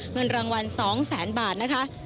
เงินรางวัล๒๐๐๐๐๐บาทนะคะ